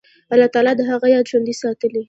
الله تعالی د هغه یاد ژوندی ساتلی.